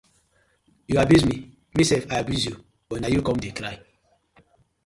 Yu abuse mi mi sef I abuse yu but na yu com de cry.